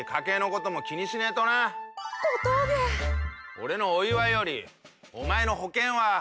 俺のお祝いよりお前の保険は？